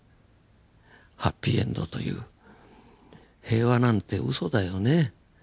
ハッピーエンドという平和なんてウソだよね。